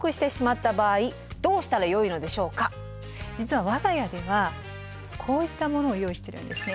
実は我が家ではこういったものを用意してるんですね。